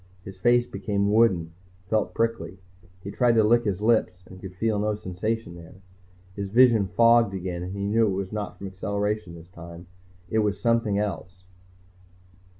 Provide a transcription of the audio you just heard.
His face became wooden, felt prickly. He tried to lick his lips and could feel no sensation there. His vision fogged again, and he knew it was not from acceleration this time, it was something else.